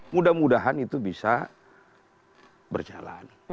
mudah mudahan itu bisa berjalan